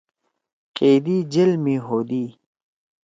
قیدی جیل می ہودی۔